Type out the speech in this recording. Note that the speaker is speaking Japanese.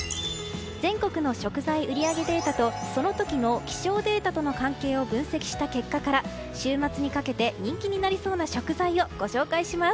全国の食材売り上げデータとその時の気象データとの関係を分析した結果から週末にかけて人気になりそうな食材をご紹介します。